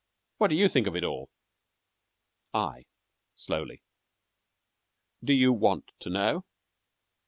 What do you think of it all? I (slowly) Do you want to know?